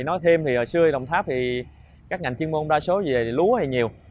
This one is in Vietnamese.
nói thêm xưa ở đồng tháp các ngành chuyên môn đa số về lúa hay nhiều